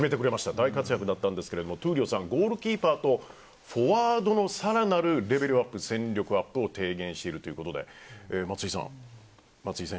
大活躍だったんですが闘莉王さんゴールキーパーとフォワードの更なるレベルアップ戦力アップを提言しているということで。